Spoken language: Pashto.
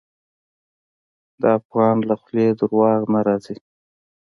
د افغان له خولې دروغ نه راځي.